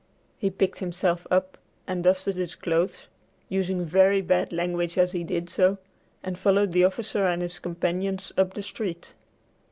He picked himself up and dusted his clothes, using very bad language as he did so, and followed the officer and his companions up the street.